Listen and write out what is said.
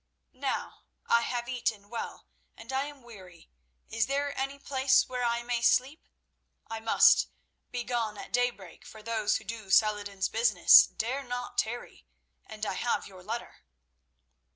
Now I have eaten well, and I am weary. Is there any place where I may sleep? I must be gone at daybreak, for those who do Saladin's business dare not tarry, and I have your letter."